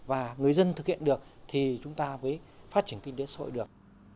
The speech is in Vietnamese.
và người dân thực hiện được thì chúng ta mới phát triển kinh tế xã hội được